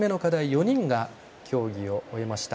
４人が競技を終えました。